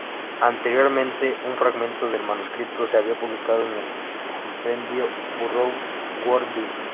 Anteriormente, un fragmento del manuscrito se había publicado en el compendio Burroughs, Word Virus.